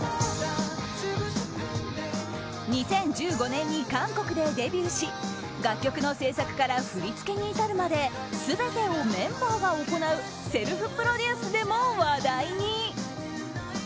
２０１５年に韓国でデビューし楽曲の制作から振り付けに至るまで全てをメンバーが行うセルフプロデュースでも話題に。